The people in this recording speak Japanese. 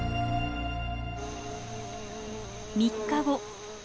３日後。